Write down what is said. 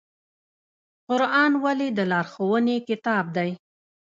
قرآن ولې د لارښوونې کتاب دی؟